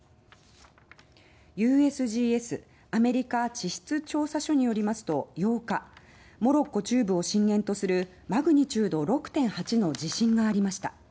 ＵＳＧＳ・アメリカ地質調査所によりますと８日、モロッコ中部を震源とするマグニチュード６．８の地震がありました。